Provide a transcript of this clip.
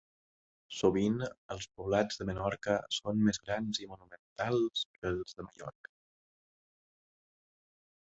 Sovint els poblats de Menorca són més grans i monumentals que els de Mallorca.